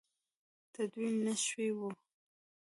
تدوین نه شوي وو.